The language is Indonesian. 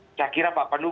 saya kira pak pandu